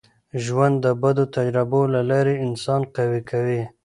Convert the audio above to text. ژوند د بدو تجربو له لاري انسان قوي کوي.